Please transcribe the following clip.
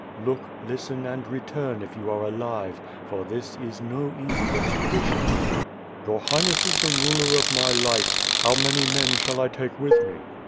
Ix)ok, listen, and return, if you are alive; for this is no easy expedition." "Your Highness is the ruler of my life. How many men shall I take with me?"